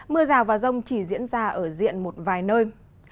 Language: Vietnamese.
mưa rào và rông chỉ diễn ra ở diện một vài nơi